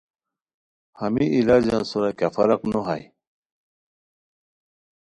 ہمی علاجان سورا کیہ فرق نو ہائے